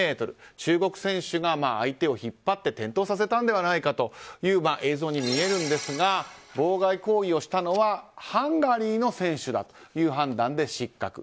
中国選手が相手を引っ張って転倒させたのではという映像に見えるんですが妨害行為をしたのはハンガリーの選手だという判断で失格。